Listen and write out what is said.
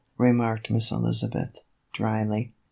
" remarked Miss Eliza beth, dryly.